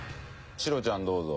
シロちゃんどうぞ。